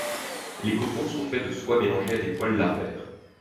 Les cocons sont faits de soie mélangée à des poils larvaires.